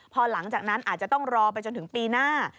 พอหลังจากนั้นอาจจะต้องรอไปจนถึงปีหน้า